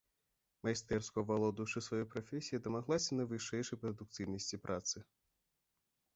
Майстэрску авалодаўшы сваёй прафесіяй, дамаглася найвышэйшай прадукцыйнасці працы.